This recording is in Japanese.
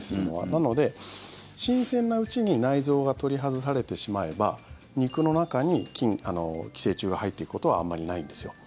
なので、新鮮なうちに内臓が取り外されてしまえば肉の中に寄生虫が入っていくことはあまりないんですよ。